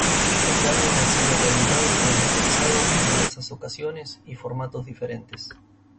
Este álbum ha sido reeditado y remasterizado en diversas ocasiones y formatos diferentes.